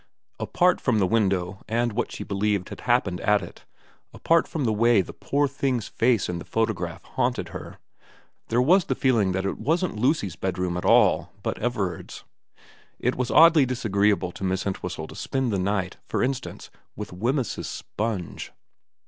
Apart from the window and what she believed had happened at it, apart from the way that poor thing's face in the photograph haunted her, there was the feeling that it wasn't Lucy's bed room at all but Everard's. It was oddly disagreeable to Miss Entwhistle to spend the night, for instance, with Wemyss's sponge.